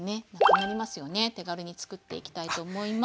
手軽に作っていきたいと思います。